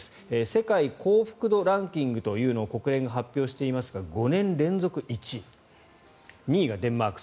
世界幸福度ランキングを国連が発表していますが５年連続１位２位がデンマーク。